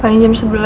paling jam sebelas